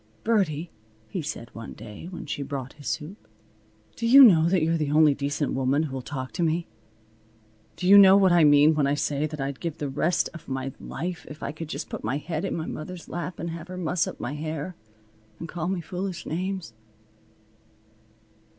"Birdie," he said one day, when she brought his soup, "do you know that you're the only decent woman who'll talk to me? Do you know what I mean when I say that I'd give the rest of my life if I could just put my head in my mother's lap and have her muss up my hair and call me foolish names?"